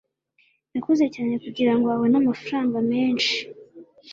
Yakoze cyane kugirango abone amafaranga menshi.